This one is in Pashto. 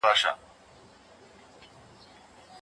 شرکتونه له شخړو ګټه اخلي.